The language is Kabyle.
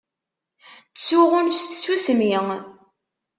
Ttsuɣun s tsusmi.